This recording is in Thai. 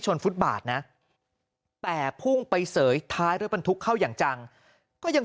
ฟุตบาทนะแต่พุ่งไปเสยท้ายรถบรรทุกเข้าอย่างจังก็ยัง